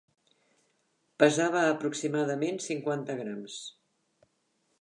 Pesava aproximadament cinquanta grams.